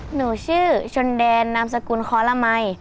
หนูชื่อชนแดนนามสกุลคอลมัย